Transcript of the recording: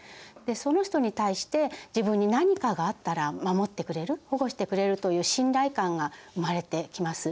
その人に対して自分に何かがあったら守ってくれる保護してくれるという信頼感が生まれてきます。